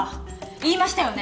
言いましたよね